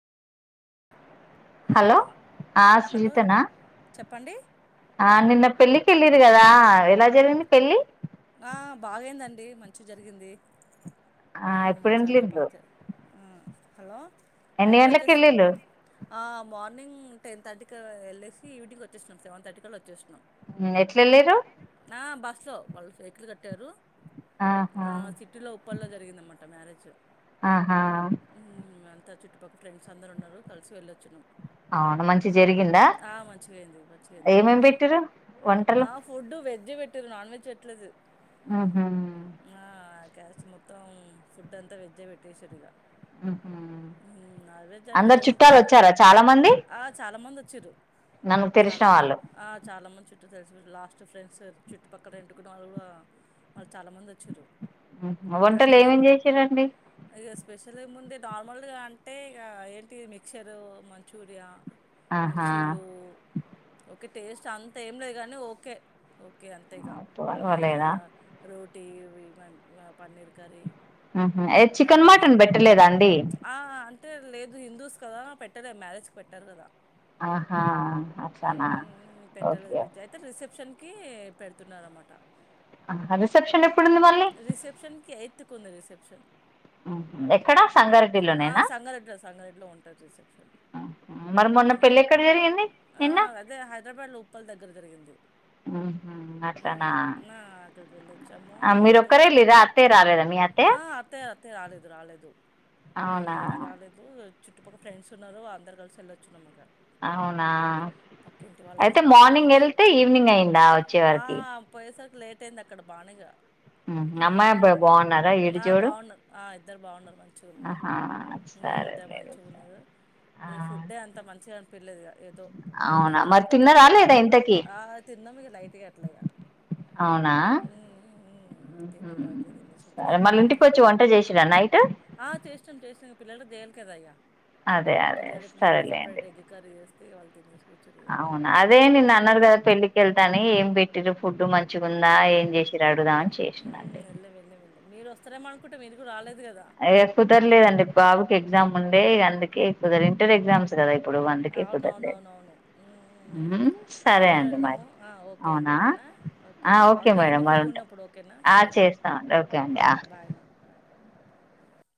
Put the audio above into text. Hello! ఆ hello సుజితనా? చెప్పండి ఆ నిన్న పెళ్లికెళ్లి వెళ్లిరు కదా, ఎలా జరిగింది పెళ్లి? ఆ బాగయిందండీ మంచి జరిగింది. ఆ చాలా ఎప్పుడెల్లిండ్రో బాగా జ- ఆ, హలో! ఎన్ని నైట్ గంటలకు వచ్చేసి ఎల్లిండ్రు? మార్నింగ్ టెన్ థర్టీకి వెళ్ళేసి, ఈవినింగ్ వచ్చేసినాం సెవెన్ థర్టీ కల్లా వచ్చేసాం. ఎట్ల ఎల్లిరు? బ [unintelligible] వెహికల్ కట్టారు. ఆహా ఆ సిటీలో ఉప్పల్లో జరిగిందమాట అంట మేజ్ [unintelligible] ఆహా! త చుట్టుపక్క ఫ్రెండ్స్ అందరూ ఉన్నారు కలిసి వెళ్లొచ్చినాం. అవును మంచి జరిగిందా ఆ మంచిగాయింది మంచి అయింది ఏమేమి ఫంక్షన్ పెట్టిరు వంటలు ఆ ఫుడ్ వె జ్జే ఆ పెట్టిర్రు నాన్ వెజ్ ఎట్లేదు ఆహా క్యాస్ట్ మొత్తం ఫుడ్ అంతా వెజ్జే పెట్టేసార్ ఇగ ఉహు నాన్ వెజ్ అంటే అందరు ఏముంటాయి చుట్టాలు వచ్చారా చాలా మంది ఆ చాలా మందొచ్చిర్రు నన్ను తెలిసిన చాలా మం వాళ్ళు ఆ చాలా మంది చుట్టూ తెలిసినోల్ లాస్ట్ చు ఫ్రెండ్స్ చుట్టుపక్కల రెంటుకున్న వాళ్ళు కూడా వాళ్ చాలా మందొచ్చిర్రు ఉహు. వంటలు అక్కడ్నే ఏమేం చేసిరండి ఇగ స్పెషల్ ఏ ముందే నార్మల్గా అంటే ఇగ ఏంటి మిక్చరు మంచూరియా ఆహా మిర్చీలు ఓ కే టేస్ట్ అన్తేమ్ లేదు గానీ ఓకేఓ కే అంతేగా హ్మ్ ఆ పర్వాలేదా రోటీ వీ పన్ ఆ పన్నీర్ కర్రీ ఆహా ఏ చికెన్ ఫ్రైడ్ మటన్ బెట్టలేదా అండి టే లేదు హిందూస్ కదా పెట్టలే మ్యారేజ్కి పెట్టరు కదా ఆహా అట్లానా ఓకే కీ పెడుతున్నారన్మాట ఆహా రిసెప్షన్ ఎప్పుడుంది మళ్ళీ కొంద రిసెప్షన్ ఉహు ఎక్కడా సంగారెడ్డిలోనేేనా సంగారెడ్లో సంగారెడ్లో ఉంటుంది రిసెప్షన్ ఆ ఆ ఆ నిన్న అదే హైదర్బాద్ లో ఉప్పల్ దగ్గర జరిగింది అట్లానా హ్మ్ ఆ అక్కడికి వెళ్ళొచ్చాము మీరు ఏదో ఒక్కరే వెళ్ళిరా అత్తయ్య రాలేదా మీ అత్తయ్య ఆ అత్తయ్య అత్తయ్య రాలేదు రాలేదు హు అవునా రాలేదు చుట్టు పక్క ఫ్రెండ్స్ ఉన్నారు అందరు కలిసేలచ్ చ్చు నమ్మక అవునా అయితే వాళ్ళందరూ కలిసి మార్నింగ్ వెళ్ళొచ్చు వెళితే ఈవినింగ్ అయిందా వచ్చే ఆ వరకి పోయేసరికి లేట్ అయింది అక్కడ బానిగా ఊహ్ నుండి అమ్మాయి అబ్బాయి బాన్నారా ఆ ఈడుజోడు బాగున్నారు ఆ ఇద్దరు బాగున్నారు మంచిగా ఉన్నారు ఆహా ఉమ్, సరే ఇద్దరు లేదు మంచిగా స ఉన్నారు ఆ పిల్లెద్ గా ఏదో ఇగ తిన్నమంటే తిన్నరా తిన్నం లేదా ఇంతకి ఆ తిన్నాం ఇగ లైట్ గా అట్లే ఇగ అవునా హ్మ్ తిన్నాం లైట్ గా తినేసి సరే వచ్చేసినం మళ్ళీ ఇంటికి మేమిక్కడికి వచ్చి వంట చేసిరా నైట్ ఆ చేసినం చేసి ఇగ పిల్లలు దేల్ కదయ్యా అదే అదే సరెలే బెండకాయ్ కర్రీ చేస్ ఇగ వాల్ తినేస్ అవునా అదేంది నిన్న అన్నడు గదా పెళ్ళికి వెళ్తా అనీ ఏం పెట్టిర్రు ఫుడ్డు మంచిగుందా ఏం చేసి ఊ ఎల్లం ఎళ్ళం ఎల్ళం మీరు వస్తారే మను కుంటే మీరు కూడ రాలేదు కదా అయో కుదరలేదండి బాబుకి ఎగ్జామ్ ఉండే ఇగ అందుకే [unintelligible] ఇంటర్ ఎక్సమ్స్ ఇప్ అవునవునవునవును ఊ ఊ ఊ ఉమ్ సరే అందరూ అండి మరి వెళ్ళాము ఓకే అండి అవునా ఓకేనా ఓకే ఆ కాల్ మేడం చేయండి మరి ఫ్రీగా ఉంటా ఉన్నప్పుడు ఓకేనా ఆ సరే అమ్ చేస్తామండి ఓకే అండి ఆ బాయ్ బాయ్